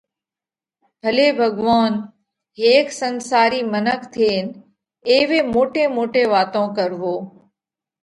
ڀلي ڀڳوونَ! ھيڪ سنسارِي منک ٿينَ ايوي موٽي موٽي واتون ڪروو،